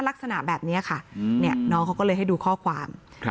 ลักษณะแบบนี้ค่ะน้องเขาก็เลยให้ดูข้อความ